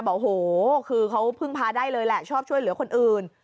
บอกโหคือเขาพึ่งพาได้เลยแหละชอบช่วยเหลือคนอื่น